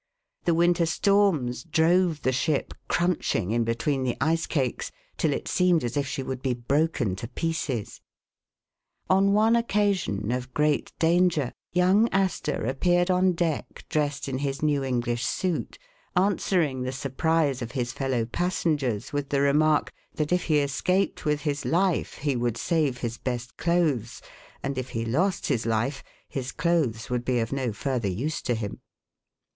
The winter storms drove the ship crunching in between the ice cakes till it seemed as if she would b3 broken to pieces. On one occasion of great danger, young Astor appeared on deck dressed in his new Eng lish suit, answering the surprise of his fellow passen gers Avith the remark, that if he escaped with his life he would save his best clothes, and if he lost his life, his clothes would be of no further use to him.